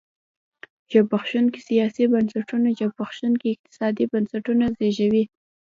زبېښونکي سیاسي بنسټونه زبېښونکي اقتصادي بنسټونه زېږوي.